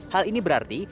hal ini berarti